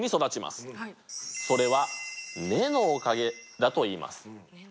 それは根のおかげだといいます。